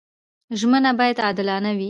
ژمنه باید عادلانه وي.